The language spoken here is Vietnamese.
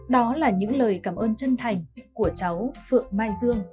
đó là những lời cảm ơn chân thành của cháu phượng mai dương